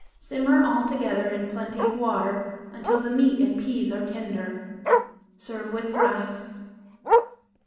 Simmer all together in plenty of water until the meat and peas are tender. Serve with rice.